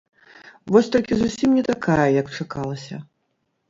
Вось толькі зусім не такая, як чакалася.